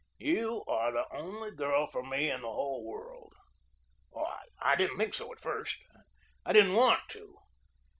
You are the only girl for me in the whole world. I didn't think so at first. I didn't want to.